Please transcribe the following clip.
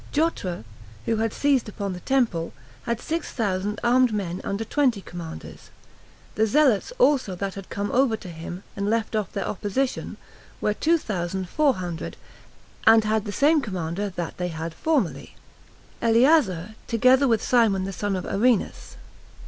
Jotre, who had seized upon the temple, had six thousand armed men under twenty commanders; the zealots also that had come over to him, and left off their opposition, were two thousand four hundred, and had the same commander that they had formerly, Eleazar, together with Simon the son of Arinus.